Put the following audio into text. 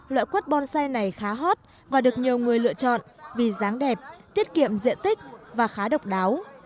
loại quất bonsai này khá hot và được nhiều người lựa chọn vì dáng đẹp tiết kiệm diện tích và khá độc đáo